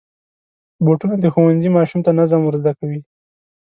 بوټونه د ښوونځي ماشوم ته نظم ور زده کوي.